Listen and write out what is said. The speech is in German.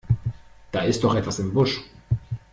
Da ist doch etwas im Busch!